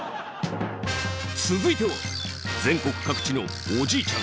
続いては全国各地のおじいちゃん